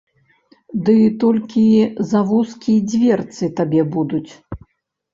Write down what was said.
Ды толькі завузкі дзверцы табе будуць.